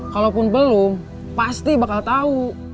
kalaupun belum pasti bakal tahu